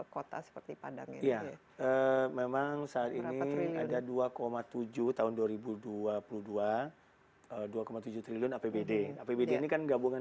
kota seperti padang ya memang saat ini ada dua tujuh tahun dua ribu dua puluh dua dua tujuh triliun apbd apbd ini kan gabungan